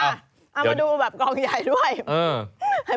ไซส์ลำไย